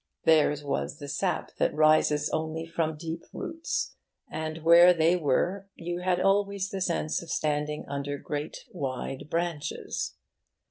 Theirs was the sap that rises only from deep roots, and where they were you had always the sense of standing under great wide branches.